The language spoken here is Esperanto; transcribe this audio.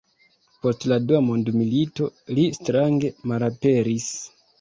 Post la dua mondmilito li strange malaperis.